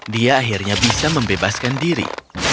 dia akhirnya bisa membebaskan diri